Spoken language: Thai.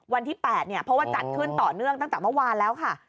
วันที่๘เนี่ยเพราะว่าจัดขึ้นต่อเนื่องตั้งแต่เมื่อวานแล้วค่ะ